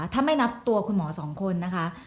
ถ้าไม่นับตัวคุณหมอสองคนนะคะ